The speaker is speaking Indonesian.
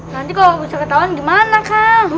nanti kalo gua bisa ketauan gimana kak